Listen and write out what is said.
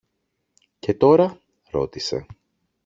Και τώρα; ρώτησε.